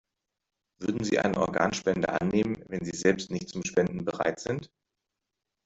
Würden Sie eine Organspende annehmen, wenn Sie selbst nicht zum Spenden bereit sind?